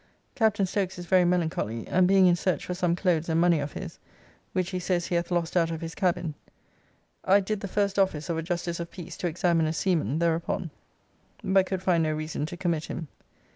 Captain Stoakes is very melancholy, and being in search for some clothes and money of his, which he says he hath lost out of his cabin. I did the first office of a justice of Peace to examine a seaman thereupon, but could find no reason to commit him.